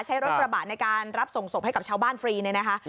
ใช้รถกระบะในการรับส่งศพให้กับชาวบ้านฟรีเนี่ยนะคะ